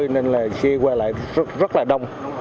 nên là xe qua lại rất là đông